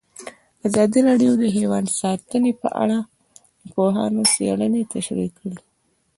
ازادي راډیو د حیوان ساتنه په اړه د پوهانو څېړنې تشریح کړې.